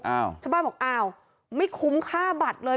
ชาวบ้านบอกอ้าวไม่คุ้มค่าบัตรเลย